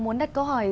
muốn đặt câu hỏi